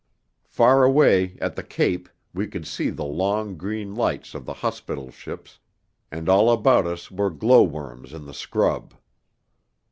Far away at the cape we could see the long, green lights of the hospital ships, and all about us were glow worms in the scrub.